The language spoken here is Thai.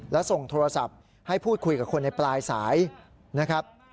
และส่งโทรศัพท์ให้พูดคุยกับคนในปลายสายนะครับ